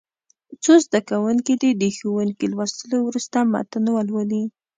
څو زده کوونکي دې د ښوونکي لوستلو وروسته متن ولولي.